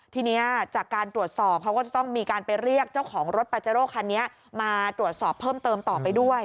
ทีนี้จากการตรวจสอบเขาก็จะต้องมีการไปเรียกเจ้าของรถปาเจโร่คันนี้มาตรวจสอบเพิ่มเติมต่อไปด้วย